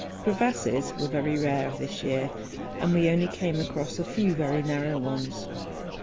Crevasses were very rare this year; and we only came across a few very narrow ones.